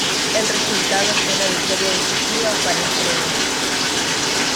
El resultado fue una victoria decisiva para Alfredo.